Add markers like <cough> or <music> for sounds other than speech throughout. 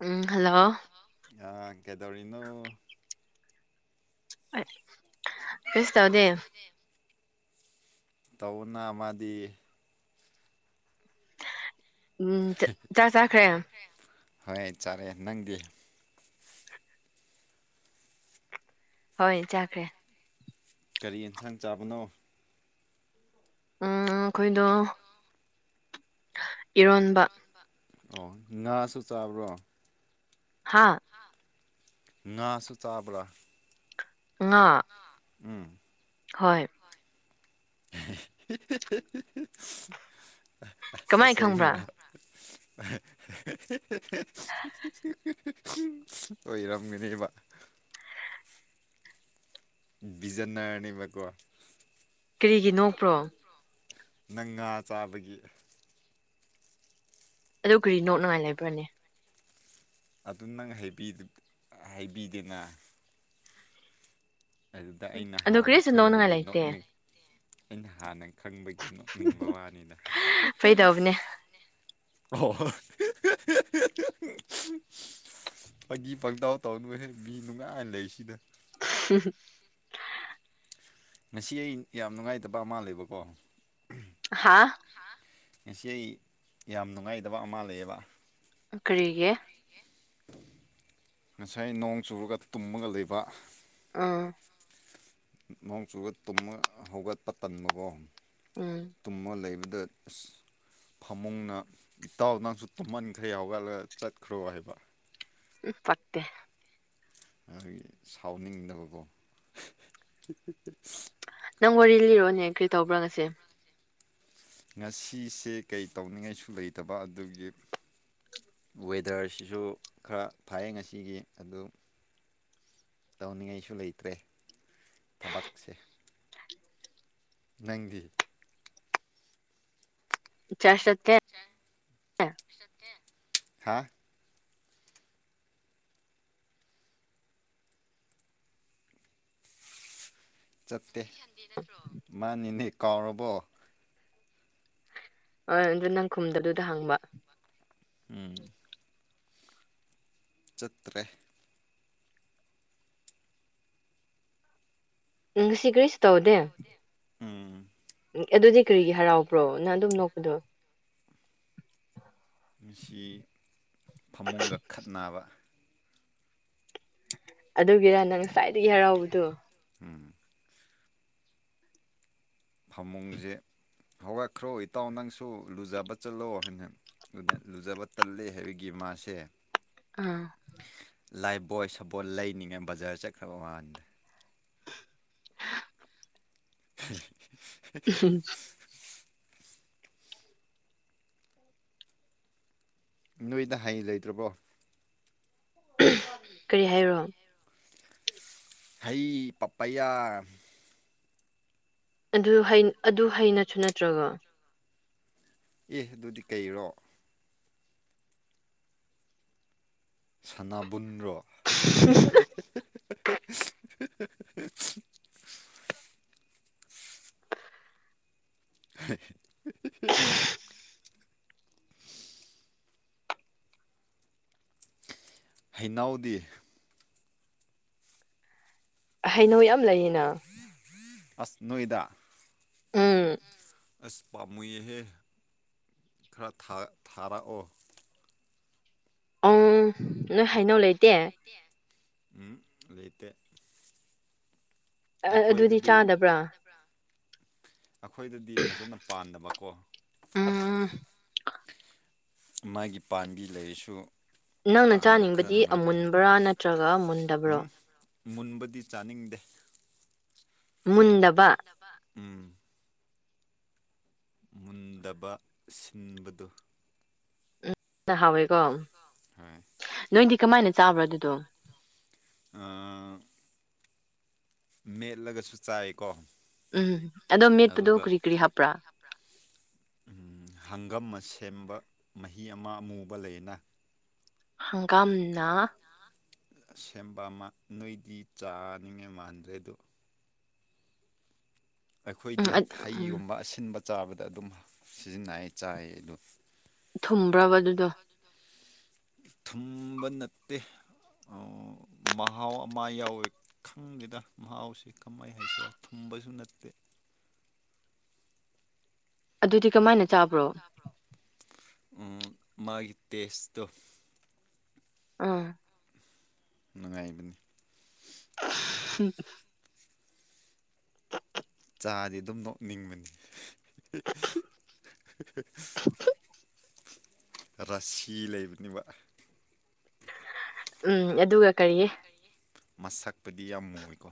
ꯎꯝ hello ꯑ ꯀꯦꯗꯧꯔꯤꯅꯣ ꯁ ꯇꯕꯗꯦ ꯇꯧꯅ ꯑꯃꯗꯤ ꯎꯝ ꯆ ꯆꯈ꯭ꯔꯦ ꯌꯥꯝ ꯍꯣꯏ ꯆꯥꯔꯦ ꯅꯪꯗꯤ ꯍꯣꯏ ꯆꯥꯈ꯭ꯔꯦ ꯀꯔꯤ ꯌꯦꯟꯁꯥꯡ ꯆꯥꯕꯅꯣ ꯑꯩꯈꯣꯏꯗꯣ ꯏꯔꯣꯟꯕ ꯑꯣ ꯉꯥꯁꯨ ꯆꯥꯕ꯭ꯔꯣ ꯍꯥꯥ ꯉꯥꯁꯨ ꯆꯥꯕ꯭ꯔꯥ ꯑ ꯎꯝ ꯍꯣꯏ <unintelligible> ꯀꯃꯥꯏꯅ ꯁꯦꯡ ꯈꯪꯕ꯭ꯔꯥ ꯃꯔ ꯑꯣꯏꯔꯝꯒꯅꯦꯕ ꯕꯤꯖꯟꯅꯅꯥꯔꯅꯤꯕꯀ ꯀꯔꯤꯒꯤꯅꯣꯄ꯭ꯔꯣ ꯅꯪ ꯉꯥ ꯆꯥꯕꯒꯤ ꯑꯗꯨ ꯀꯔꯤ ꯅꯣꯛ ꯅꯨꯡꯉꯥꯏ ꯂꯩꯕ꯭ꯔꯅꯦ ꯑꯗꯨ ꯅꯪ ꯍꯩꯕꯤꯗꯦꯅ ꯑꯗꯨꯗ ꯑꯩꯅ ꯑꯗꯨ ꯍꯥꯟꯅ ꯀꯔꯤꯁꯨ ꯅꯣꯛꯅꯉꯥꯏ ꯈꯪꯕꯒꯤ ꯂꯩꯇꯦ ꯅꯣꯠꯅꯤ ꯑꯩꯅ ꯍꯥꯟꯅ ꯈꯪꯕꯒꯤ ꯅꯤꯡꯕ ꯋꯥꯅꯤꯅ ꯐꯩꯗꯧꯕꯅꯦ ꯑꯣ ꯐꯪꯒꯤ ꯄꯪꯇꯥꯎ ꯇꯧꯅꯣꯏꯍꯦ ꯃꯤ ꯅꯨꯡꯉꯥꯏꯅ ꯂꯩꯁꯤꯗ <unintelligible> ꯉꯁꯤ ꯑꯩ ꯌꯥꯝ ꯅꯨꯡꯉꯥꯏꯇꯕ ꯃꯥꯜꯂꯕꯀꯣ ꯍꯥ ꯉꯁꯤ ꯑꯩ ꯌꯥꯝ ꯅꯨꯡꯉꯥꯏꯇꯕ ꯑꯃ ꯂꯩꯌꯦꯕ ꯀꯔꯤꯒꯤꯦ ꯉꯁꯥꯏ ꯅꯣꯡ ꯆꯨꯔꯒ ꯇꯨꯝꯃꯒ ꯂꯩꯕ ꯑ ꯅꯣꯡꯆꯨꯒ ꯇꯨꯝꯃ ꯍꯧꯒꯠꯄ ꯇꯟꯕꯀꯣ ꯎꯝ ꯇꯨꯝꯃ ꯂꯩꯕ ꯃꯗꯠ ꯐꯃꯨꯡꯅ ꯏꯇꯥꯎꯗꯎꯁꯨ ꯇꯨꯝꯍꯟꯈ꯭ꯔꯦ ꯍꯧꯒꯠꯂꯒ ꯆꯠꯈ꯭ꯔꯣ ꯍꯥꯏꯕ ꯎꯝ ꯐꯠꯇꯦ ꯑꯩꯒꯤ ꯁꯥꯎꯅꯤꯡꯗꯅꯕꯀꯣ ꯅꯪ ꯋꯥꯔꯤ ꯂꯤꯔꯣꯅꯦ ꯀꯔꯤ ꯇꯧꯕ꯭ꯔꯥ ꯉꯁꯦ ꯉꯁꯤꯁꯦ ꯀꯩ ꯇꯧꯅꯤꯡꯉꯥꯏꯁꯨ ꯂꯩꯇꯕ ꯑꯗꯨꯒꯤ ꯋꯦꯗꯔꯁꯤꯁꯨ ꯈꯔ ꯐꯩꯌꯦ ꯉꯁꯤꯒꯤ ꯑꯗꯨ ꯇꯧꯅꯤꯡꯉꯥꯏꯁꯨ ꯂꯩꯇ꯭ꯔꯦ ꯊꯕꯛꯁꯦ ꯅꯪꯒꯤꯗꯤ ꯆꯁ ꯍꯥ ꯆꯠꯇꯦ꯭ꯔ ꯃꯥꯅꯤꯅꯦ ꯀꯥꯎꯔꯕꯣ ꯍ ꯑꯗꯨ ꯅꯪꯈꯨꯝꯗꯗꯨꯗ ꯍꯪꯕ ꯎꯝ ꯆꯠꯇ꯭ꯔꯦ ꯉꯁꯤ ꯀꯔꯤꯁꯨ ꯇꯧꯗꯦ ꯎꯝ ꯎꯝ ꯑꯗꯨꯗꯤ ꯀꯔꯤꯒꯤ ꯍꯔꯥꯎꯕ꯭ꯔꯣ ꯅꯪ ꯑꯗꯨꯝ ꯅꯣꯛꯄꯗꯣ ꯃꯁꯤ ꯐꯃꯨꯡꯒ ꯈꯠꯅꯕ ꯑꯗꯨꯒꯤꯔ ꯅꯪ ꯁ꯭ꯋꯥꯏꯗꯒꯤ ꯍꯔꯥꯎꯕꯗꯣ ꯎꯝ ꯐꯃꯨꯡꯁꯦ ꯍꯧꯒꯠꯈ꯭ꯔꯣ ꯏꯇꯥꯎ ꯅꯪꯁꯨ ꯂꯨꯖꯕ ꯆꯠꯂꯣ ꯍꯥꯏꯟ ꯂꯨꯖꯕ ꯇꯜꯂꯦ ꯍꯥꯏꯕꯒꯤ ꯃꯥꯁꯦ ꯑꯥ ꯂꯥꯏ ꯕꯣꯏ ꯁꯕꯣꯠ ꯂꯩꯅꯤꯡꯉꯥꯏ ꯕꯖꯥꯔ ꯆꯠꯈ꯭ꯔꯕ ꯃꯃꯥꯟꯗ <inaudible> ꯅꯣꯏꯗ ꯍꯩ ꯂꯩꯇ꯭ꯔꯕꯣ ꯀꯔꯤ ꯍꯥꯏꯔꯣ ꯍ ꯄꯄꯌꯥ ꯑꯗꯨ ꯑꯗꯨ ꯍꯩꯅꯁꯨ ꯅꯠꯇ꯭ꯔꯒꯣ ꯑꯦ ꯑꯗꯨꯗꯤ ꯀꯩꯔꯣ ꯁꯅꯥꯕꯨꯟꯔꯣ <inaudible> <unintelligible> ꯍꯩꯅꯎꯗꯤ ꯍꯩꯅꯧ ꯌꯥꯝ ꯂꯩꯔꯤꯅ ꯑꯁꯅꯣꯏꯗ ꯎꯝ ꯑꯁ ꯄꯥꯝꯃꯨꯑꯍꯦ ꯈꯔ ꯊꯥꯔꯛꯑꯣ ꯑꯪ ꯅꯣꯏ ꯍꯥꯏꯩꯅꯧ ꯂꯩꯇꯦ ꯎꯝ ꯑꯗꯨꯗꯩꯇ ꯑꯗꯨꯗꯤ ꯑꯩꯈꯣꯏꯗꯗꯤ ꯆꯥꯗꯕ꯭ꯔꯥ ꯑꯩꯈꯣꯏꯗꯗꯤ ꯐꯖꯅ ꯄꯥꯟꯗꯕ ꯑꯥ ꯃꯥꯒꯤ ꯄꯥꯝꯕꯤ ꯂꯩꯔꯁꯨ ꯅꯪꯅ ꯄꯥꯟꯕ ꯈꯔ ꯆꯥꯅꯤꯡꯕꯗꯤ ꯅꯨꯡꯉꯥꯏꯇꯕꯅꯤ ꯑꯃꯨꯟꯕ꯭ꯔꯥ ꯅꯠꯇ꯭ꯔꯒ ꯃꯨꯟꯗꯕ꯭ꯔꯣ ꯎꯝ ꯃꯨꯟꯕꯗꯤ ꯆꯥꯅꯤꯡꯗꯦ ꯃꯨꯟꯗꯕ ꯎꯝ ꯃꯨꯟꯗꯕ ꯁꯤꯟꯕꯗꯨ ꯍꯋꯦꯋꯤꯀꫭ ꯑꯗꯨꯗꯣ <unintelligible> ꯃꯦꯠꯂꯒꯁꯨ ꯆꯥꯏꯀꯣ ꯎꯝ ꯑꯗꯣ ꯃꯦꯠꯄꯨꯗ ꯑꯗꯨꯒ ꯀꯔꯤ ꯀꯔꯤ ꯍꯥꯞꯄ꯭ꯔꯥ ꯍꯪꯒꯝ ꯑꯃ ꯁꯦꯝꯕ ꯃꯍꯤ ꯑꯃ ꯑꯃꯨꯕ ꯂꯩꯌꯦꯅ ꯍꯪꯒꯥꯝꯅ ꯁꯦꯝꯕꯃ ꯅꯣꯏꯗꯤ ꯆꯥꯅꯤꯡꯉꯥꯏ ꯃꯥꯟꯗ꯭ꯔꯦꯗꯣ ꯎꯝ ꯑꯩꯈꯣꯏꯗꯤ ꯎꯝ ꯍꯩꯒꯨꯝꯕ ꯑꯁꯤꯟꯕ ꯆꯥꯕꯗ ꯑꯗꯨꯝ ꯁꯤꯖꯤꯟꯅꯩ ꯆꯥꯏ ꯑꯗꯨ ꯊꯨꯝꯕ꯭ꯔꯕ ꯑꯗꯨꯗꯣ ꯊꯨꯝꯕ ꯅꯠꯇꯦ ꯃꯍꯥꯎ ꯑꯃ ꯌꯥꯎꯋꯦ ꯈꯪꯗꯦꯗ ꯃꯍꯥꯎꯁꯤ ꯀꯃꯥꯏ ꯍꯥꯏꯁꯤꯔꯥ ꯊꯨꯝ ꯃꯕꯥ ꯁꯨ ꯅꯠꯇ‌ꯦ <inaudible> ꯑꯗꯨꯗꯤ ꯀꯃꯥꯏꯅ ꯆꯥꯕ꯭ꯔꯣ ꯃꯥꯒꯤ ꯇꯦꯁꯇꯣ ꯎꯝ ꯅꯨꯡꯉꯥꯏꯕꯅꯤ ꯎꯝ <unintelligible> ꯆꯥꯗꯤ ꯑꯗꯨꯝ ꯅꯣꯛꯅꯤꯡꯕꯅꯤ ꯔꯁꯤ ꯂꯩꯕꯅꯦꯕ ꯎꯝ ꯑꯗꯨꯒ ꯀꯔꯤꯒꯤ ꯃꯁꯛꯄꯗꯤ ꯌꯥꯝ ꯃꯨꯏꯀꯣ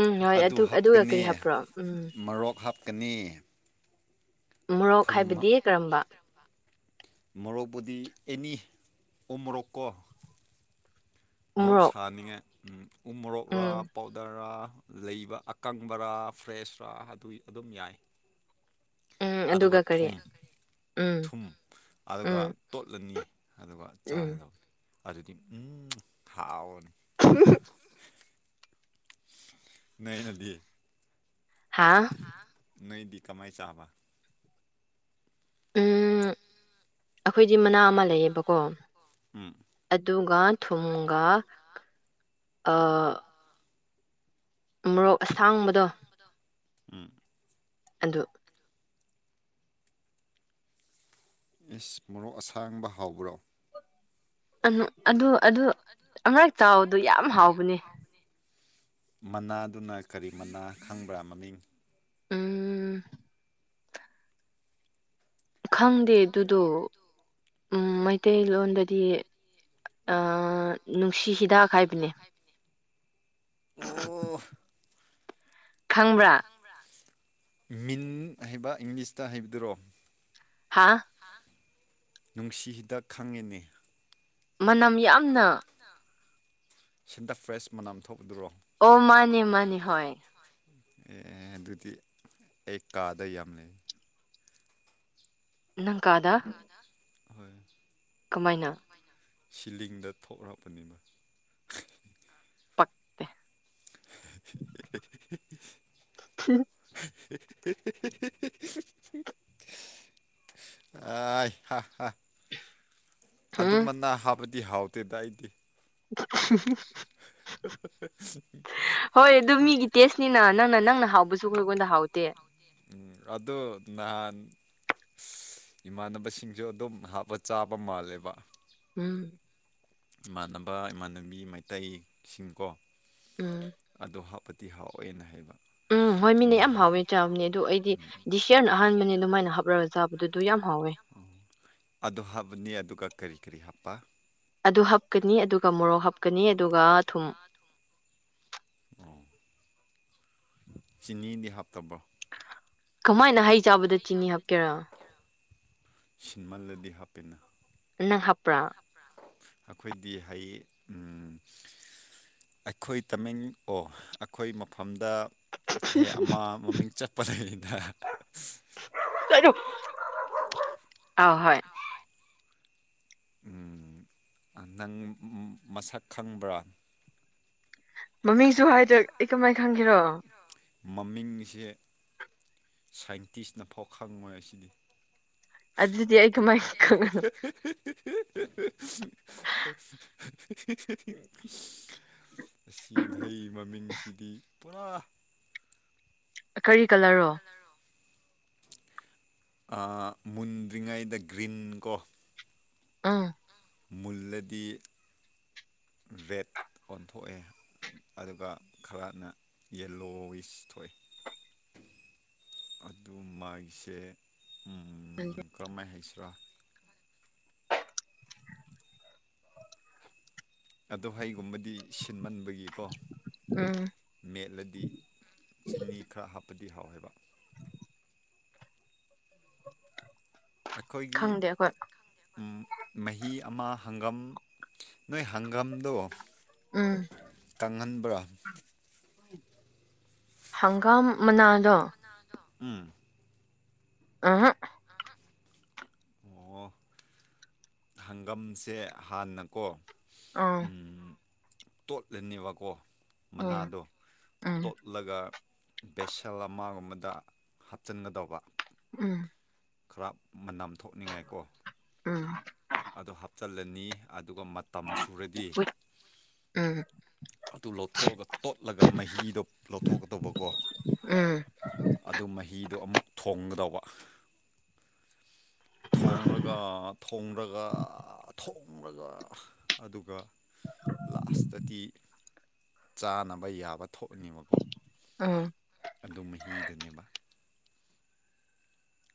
ꯎꯝ ꯍꯣꯏ ꯑꯗꯨ ꯑꯗꯨꯒ ꯀꯔꯤ ꯍꯥꯞꯄ꯭ꯔꯣ ꯎꯝ ꯀꯅꯤ ꯃꯣꯔꯣꯛ ꯍꯥꯏꯕꯗꯤ ꯀꯔꯝꯕ ꯃꯣꯔꯣꯛꯄꯨꯗꯤ ꯑꯦꯅꯤ ꯎꯨ ꯃꯣꯔꯣꯛꯀꯣ ꯃꯣꯔꯣꯛ ꯁꯥꯍꯅꯤꯡꯉꯥꯏ ꯃꯣꯔꯣꯛꯔꯥ ꯎꯝ ꯄꯥꯎꯗꯔꯔꯥ ꯂꯩꯕ ꯑꯀꯪꯕꯔꯥ ꯐ꯭ꯔꯦꯁꯔꯥ ꯑꯗꯨꯏ ꯑꯗꯨꯝ ꯌꯥꯏ ꯎꯝ ꯑꯗꯨꯒ ꯀꯔꯤ ꯊꯨꯝ ꯎꯝ ꯊꯨꯝ ꯑꯗꯨꯒ ꯎꯝ ꯇꯣꯠꯂꯅꯤ ꯑꯗꯨꯒ ꯎꯝ ꯆꯥꯒꯗꯕꯅꯤ ꯑꯗꯨꯗꯤ ꯎꯨꯝ ꯍꯥꯎꯕꯅꯤ ꯎꯝ <unintelligible> <unintelligible> ꯅ ꯅꯗꯤ <unintelligible> ꯍꯥꯥ ꯅꯣꯏꯗꯤ ꯀꯃꯥꯏ ꯆꯕꯥ ꯎꯝ ꯑꯩꯈꯣꯏꯗꯤ ꯃꯅꯥ ꯑꯃ ꯂꯩꯌꯦꯕꯀꯣ ꯎꯝ ꯑꯗꯨ ꯨꯒ ꯊꯨꯡꯒꯥ ꯑ ꯃꯣꯔꯣꯛ ꯑꯁꯥꯡꯕꯗꯣ ꯎꯝ ꯑꯗꯨ ꯏꯁ ꯃꯣꯔꯣꯛ ꯑꯁꯥꯡꯕ ꯍꯥꯎꯕ꯭ꯔꯣ ꯑꯗꯨ ꯑꯗꯨ ꯑꯃꯔꯛ ꯆꯥꯎꯕꯗ ꯌꯥꯝ ꯍꯥꯎꯕꯅꯤ ꯃꯅꯥꯗꯨꯅ ꯀꯔꯤ ꯃꯅꯥ ꯈꯪꯕ꯭ꯔꯥ ꯃꯃꯤꯡ ꯎꯝ ꯈꯪꯗꯦ ꯗꯦ ꯑꯗꯨꯗꯣ ꯎꯝ ꯃꯩꯇꯩꯂꯣꯟꯗꯗꯤ ꯅꯨꯡꯁꯤ ꯍꯤꯗꯥꯛ ꯍꯥꯏꯕꯅꯦ ꯑꯣ ꯈꯪꯕ꯭ꯔꯥ ꯃꯤꯟ ꯍꯥꯏꯕ ꯏꯪꯂꯤꯁꯇ ꯍꯥꯏꯕꯗꯨꯔꯣ ꯍꯥꯥ ꯅꯨꯡꯁꯤ ꯍꯤꯗꯥꯛ ꯈꯪꯉꯤꯅꯦ ꯃꯅꯝ ꯌꯥꯝꯅ ꯁꯤꯟꯗ ꯐ꯭ꯔꯦꯁ ꯃꯅꯝ ꯊꯣꯛꯗꯨꯔꯣ ꯑꯣ ꯃꯥꯅꯦ ꯃꯥꯅꯦ ꯍꯣꯏ ꯑꯦ ꯑꯗꯨꯗꯤ ꯑꯩ ꯀꯥꯗ ꯌꯥꯝ ꯂꯩ ꯅꯪ ꯀꯥꯗꯥ ꯍꯣꯏ ꯀꯃꯥꯏꯅ ꯁꯤꯂꯤꯡꯗ ꯊꯣꯛꯂꯛꯄꯅꯤꯅ ꯄꯛꯇꯦ <inaudible> <unintelligible> <inaudible> <inaudible> ꯑꯦ ꯍ ꯍꯥ ꯍꯝ ꯑꯗꯨꯝꯕꯅꯥ ꯍꯥꯞꯄꯗꯤ ꯍꯥꯎꯇꯦꯗ ꯑꯩꯗꯤ <inaudible> <unintelligible> <inaudible> <unintelligible> ꯍꯣꯏ ꯑꯗꯨ ꯃꯤꯒꯤ ꯇꯦꯁꯅꯤꯅ ꯅꯪꯅ ꯅꯪꯅ ꯍꯥꯎꯕꯁꯨ ꯑꯩꯉꯣꯟꯗ ꯍꯥꯎꯗꯦ ꯑꯗꯣ ꯅꯍꯥꯟ ꯏꯃꯥꯟꯅꯕꯁꯤꯡꯁꯨ ꯑꯗꯨꯝ ꯍꯥꯞꯄ ꯆꯥꯕ ꯃꯥꯜꯂꯦꯕ ꯎꯝ ꯏꯃꯥꯟꯅꯕ ꯏꯃꯥꯟꯅꯕꯤ ꯃꯩꯇꯩꯁꯤꯡꯀꯣ ꯎꯝ ꯑꯗꯨ ꯍꯥꯞꯄ ꯇꯤꯍꯥꯎꯦꯅ ꯍꯥꯏꯕ ꯎꯝ ꯍꯣꯏ ꯃꯤꯅꯦ ꯌꯥꯝ ꯅꯍꯥꯟ ꯍꯥꯎꯋꯦ ꯆꯥꯕꯅꯦ ꯑꯗꯨꯗ ꯑꯩꯗꯤ ꯎꯝ ꯗꯤꯁ ꯌꯔꯅ ꯑꯍꯥꯟꯕꯅꯦ ꯑꯗꯨꯃꯥꯏꯅ ꯍꯥꯞꯂꯒ ꯆꯥ ꯑꯗꯨꯗꯨ ꯌꯥꯝ ꯍꯥꯎꯋꯦ ꯑꯗꯨ ꯍꯥꯞꯄꯅꯤ ꯑꯗꯨꯒ ꯀꯔꯤ ꯀꯔꯤ ꯍꯥꯞꯄ ꯑꯗꯨ ꯍꯥꯞꯀꯅꯤ ꯑꯗꯨꯒ ꯃꯣꯔꯣꯛ ꯍꯥꯞꯀꯅꯤ ꯑꯗꯨꯒ ꯊꯨꯝ ꯑꯣ ꯆꯤꯅꯤꯗꯤ ꯍꯥꯞꯇꯕ ꯀꯃꯥꯏꯅ ꯍꯩ ꯆꯥꯕꯗ ꯆꯤꯅꯤ ꯍꯥꯞꯀꯦꯔꯥ ꯁꯤꯟꯃꯜꯂꯗꯤ ꯍꯥꯞꯄꯤꯦꯅ ꯅꯪ ꯍꯥꯞꯄ꯭ꯔꯥ ꯑꯩꯈꯣꯏꯗꯤ ꯍ ꯑꯩꯈꯣꯏ ꯇꯃꯤꯡ ꯑꯣ ꯑꯩꯈꯣꯏ ꯃꯐꯝꯗ ꯍꯦ ꯑꯃꯥ ꯃꯃꯤꯡ ꯆꯠꯄ ꯂꯩꯗ ꯀꯣ ꯑ ꯍꯣꯏ ꯎꯝ ꯅꯪ ꯃꯁꯛ ꯈꯪꯕ꯭ꯔꯥ ꯃꯃꯤ ꯃꯃꯤꯡ ꯑꯩꯁꯦ ꯁꯥꯏꯟꯇꯤꯁꯅꯐꯥꯎ ꯈꯪꯉꯣꯏ ꯑꯁꯤꯗꯤ ꯑꯗꯨꯗꯤ <inaudible> ꯑꯩ ꯀꯃꯥꯏ ꯈꯪꯉꯅꯣ ꯑꯁꯤ ꯃꯍꯩ ꯃꯃꯤꯡꯁꯤꯗꯤ ꯄꯨꯔꯥ ꯀꯔꯤ ꯀꯂꯔꯣ ꯃꯨꯟꯗ꯭ꯔꯤꯉꯩꯗ ꯒ꯭ꯔꯤꯟ ꯀꯣ ꯑꯥ ꯃꯨꯜꯂꯗꯤ ꯦꯠ ꯑꯣꯟꯊꯣꯛꯑꯦ ꯑꯗꯨꯒ ꯈꯔꯅ ꯌꯦꯜꯂꯣ ꯋꯤꯁ ꯊꯣꯛꯑꯦ <inaudible> ꯑꯗꯨ ꯃ ꯑꯩꯁꯦ ꯀꯔꯝꯍꯥꯏꯅ ꯍꯥꯏꯁꯤꯔꯥ ꯑꯗꯣ ꯍꯩꯒꯨꯝꯕꯗꯤ ꯁꯤꯟꯃꯟꯕꯒꯤ ꯄꯤꯀꯣ ꯎꯝ ꯃꯦꯠꯂꯗꯤ ꯆꯤꯅꯤ ꯈꯔ ꯍꯥꯞꯄꯗꯤ ꯍꯥꯎꯋꯦꯕ ꯑꯩꯈꯣꯏꯒꯤ ꯈꯪꯗꯦ ꯑꯩꯈꯣꯏ ꯃꯍꯤ ꯑꯃ ꯍꯪꯒꯝ ꯅꯣꯏ ꯍꯪꯒꯥꯝꯗꯣ ꯎꯝ ꯀꯪꯍꯟꯕ꯭ꯔꯥ ꯍꯪꯒꯥꯝ ꯃꯅꯥꯂꯣ ꯎꯝ ꯑ ꯑꯣ ꯍꯪꯒꯝꯁꯦ ꯍꯥꯟꯅꯀꯣ ꯑꯥ ꯎꯝ ꯇꯣꯠꯂꯅꯦꯕꯀꯣ ꯎꯝ ꯃꯅꯥꯗꯣ ꯎꯝ ꯇꯣꯠꯂꯒ ꯕꯦꯁꯜ ꯑꯃꯒꯨꯝꯕꯗ ꯍꯥꯞꯆꯤꯟꯒꯗꯧꯕ ꯎꯝ ꯈꯔ ꯃꯝ ꯊꯣꯛꯅꯤꯡꯉꯥꯏ ꯀꯣ ꯎꯝ ꯑꯗꯨꯗꯣ ꯍꯥꯞꯆꯤꯜꯂꯅꯤ ꯑꯗꯨꯒ ꯃꯇꯝ ꯁꯨꯔꯗꯤ ꯎꯝ ꯑꯗꯨ ꯂꯧꯊꯣꯛꯑꯒ ꯇꯣꯠꯂꯒ ꯃꯍꯤꯗꯣ ꯂꯧꯊꯣꯛꯀꯗꯧꯕꯀꯣ ꯎꯝ ꯑꯗꯨ ꯃꯍꯤꯗꯣ ꯑꯃꯨꯛ ꯧꯕ ꯄ ꯊꯣꯛꯂꯒ ꯑꯗꯨꯒ ꯂꯥꯁꯇꯗꯤ ꯆꯥꯅꯕ ꯌꯥꯕ ꯊꯣꯛꯅꯤꯡꯕꯀꯣ ꯎꯝ ꯑꯗꯨ ꯃꯍꯤꯗꯅꯦꯕ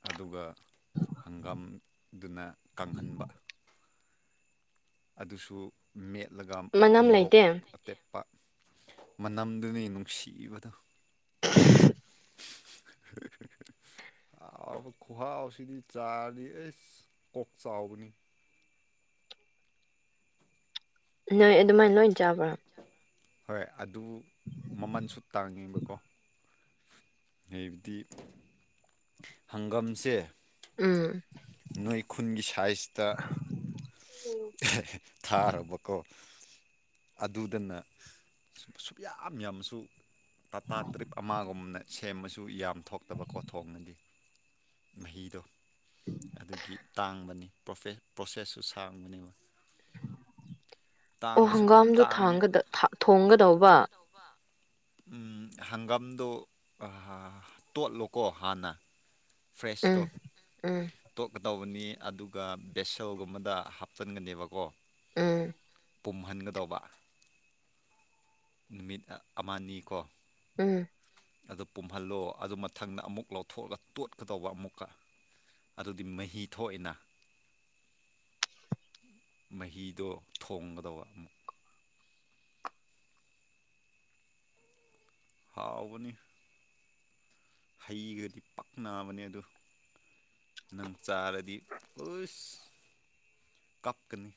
ꯑꯗꯨꯒ ꯍꯪꯒꯥꯝꯗꯨꯅ ꯀꯪꯍꯟꯕ ꯑꯗꯨꯁꯨ ꯃꯦꯠꯂꯒ ꯃꯅꯝ ꯃꯣꯔꯣꯛ ꯂꯩꯇꯦ ꯑꯇꯦꯛꯦꯛꯄ ꯃꯅꯝꯗꯨꯅ ꯅꯨꯡꯁꯤꯕꯗꯣ <inaudible> ꯑ ꯈꯨꯍꯕꯁꯤꯗꯤ ꯆꯥꯔꯗꯤ ꯑꯦ ꯀꯣꯛ ꯆꯥꯎꯕꯅꯤ ꯅꯣꯏ ꯑꯗꯨꯃꯥꯏꯅ ꯂꯣꯏ ꯆꯥꯕ꯭ꯔꯥ ꯍꯣꯏ ꯑꯗꯨ ꯃꯃꯜꯁꯨ ꯇꯥꯡꯉꯦꯕꯀꯣ ꯍꯥꯏꯕꯗꯤ ꯍꯪꯒꯥꯝꯁꯦ ꯎꯝ ꯅꯣꯏ ꯈꯨꯟꯒꯤ ꯁꯥꯏꯖꯇ ꯊꯥꯔꯕꯀꯣ ꯑꯗꯨꯗꯅ ꯁꯨꯛ ꯌꯥꯝ ꯌꯥꯝꯁꯨ ꯇꯥꯇꯥ ꯇ꯭ꯔꯤꯞ ꯑꯃꯒꯨꯝꯅ ꯁꯦꯝꯕꯁꯨ ꯌꯥꯝ ꯊꯣꯛꯇꯕ ꯀꯣꯊꯣꯡꯅꯗꯤ ꯃꯍꯤꯗꯣ ꯑꯗꯨꯒꯤ ꯇꯥꯡꯕꯅꯤ ꯄ꯭ꯔꯣꯁꯦꯁꯁꯨ ꯁꯥꯡꯕꯅꯦꯕ ꯑꯣ ꯇꯥꯡꯕꯁꯨ ꯍꯪꯒꯥꯝꯗꯨ ꯇꯥꯡꯉꯦ ꯊꯣꯡꯒꯗꯧꯕ ꯍꯪꯒꯥꯝꯗꯨ ꯇꯣꯠꯂꯣꯀꯣ ꯍꯥꯟꯅ ꯎꯝ ꯐ꯭ꯔꯦꯁꯇꯣ ꯎꯝ ꯇꯣꯛꯗꯥ ꯇꯅꯤ ꯑꯗꯨꯒ ꯕꯦꯁꯜꯒꯨꯝꯕꯗ ꯍꯥꯞꯆꯟꯒꯅꯦꯕꯀꯣ ꯎꯝ ꯄꯨꯝꯍꯟꯒꯗꯧꯕ ꯅꯨꯃꯤꯠ ꯑꯃꯅꯤꯅꯤꯀꯣ ꯎꯝ ꯑꯗꯨ ꯄꯨꯝꯍꯜꯂꯣ ꯑꯗꯨ ꯃꯊꯪꯗ ꯑꯃꯨꯛ ꯂꯧꯊꯣꯛꯑꯒ ꯇꯣꯠ ꯀ ꯇꯧꯕ ꯑꯃꯨꯛꯀ ꯑꯗꯨꯗꯤ ꯃꯍꯤ ꯊꯣꯛꯑꯏꯅ ꯃꯍꯤꯗꯣ ꯊꯣꯡꯒꯗꯧꯕ ꯑꯃꯨꯛ ꯍꯥꯎꯕꯅꯤ ꯍꯩꯒꯗꯤ ꯄꯛ ꯅꯥꯕꯅꯦ ꯑꯗꯨ ꯅꯪ ꯆꯥꯔꯗꯤ ꯄꯨꯁ ꯀꯞꯀꯅꯤ